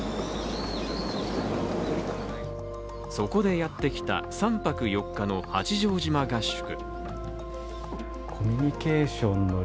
そこでやってきた３泊４日の八丈島合宿。